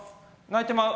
泣いてまう！